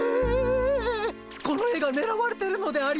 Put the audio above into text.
この絵がねらわれてるのでありますか？